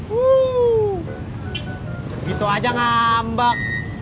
wuu gitu aja ngambak